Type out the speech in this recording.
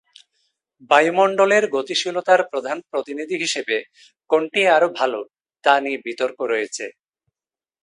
বায়ুমণ্ডলের গতিশীলতার প্রধান প্রতিনিধি হিসেবে কোনটি আরও ভালো তা নিয়ে বিতর্ক রয়েছে।